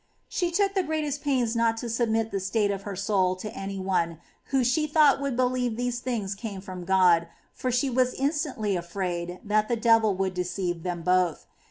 18. She took the greatest pains not to submit the state of her soul to any one who she thought would believe that these things came from God, for she was instantly afraid that the devil would deceive them both.